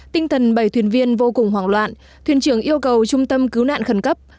tinh thần bảy thuyền viên vô cùng hoảng loạn thuyền trưởng yêu cầu trung tâm cứu nạn khẩn cấp